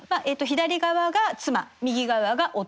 左側が妻右側が夫。